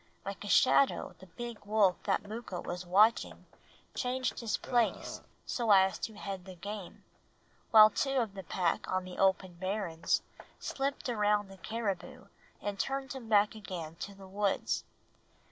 Like a shadow the big wolf that Mooka was watching changed his place so as to head the game, while two of the pack on the open barrens slipped around the caribou and turned him back again to the woods.